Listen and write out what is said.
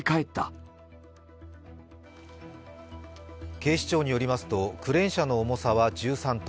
警視庁によりますとクレーン車の重さは１３ｔ。